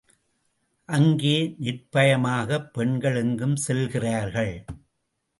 அங்கே நிர்ப்பயமாகப் பெண்கள் எங்கும் செல்கிறார்கள்.